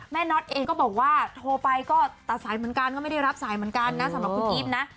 น็อตเองก็บอกว่าโทรไปก็ตัดสายเหมือนกันก็ไม่ได้รับสายเหมือนกันนะสำหรับคุณอีฟนะ